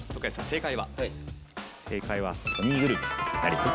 正解はソニーグループさんになります。